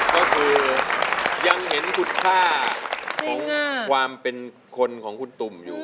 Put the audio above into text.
ก็คือยังเห็นคุณค่าของความเป็นคนของคุณตุ่มอยู่